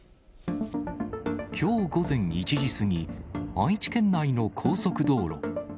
きょう午前１時過ぎ、愛知県内の高速道路。